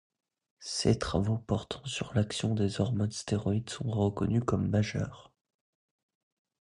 Ses travaux portant sur l'action des hormones stéroïdes sont reconnus comme majeurs.